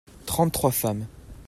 trente trois femmes.